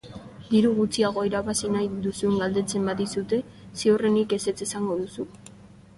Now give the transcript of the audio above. Diru gutxiago irabazi nahi duzun galdetzen badizute, ziurrenik ezetz esango duzu.